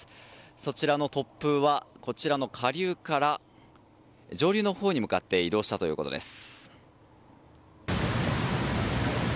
そちらの突風はこちらの下流から上流のほうに向かって移動したということです。